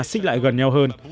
xích lại gần nhau hơn